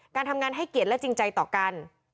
การทำงานให้เกียรติและจริงใจต่อกัน